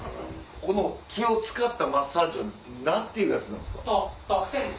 この木を使ったマッサージは何ていうやつなんですか？